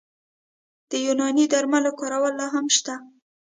د یوناني درملو کارول لا هم شته.